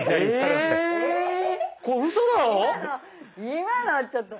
今のちょっと。